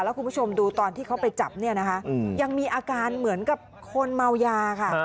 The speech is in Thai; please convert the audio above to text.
แล้วคุณผู้ชมดูตอนที่เขาไปจับเนี่ยนะคะยังมีอาการเหมือนกับคนเมายาค่ะ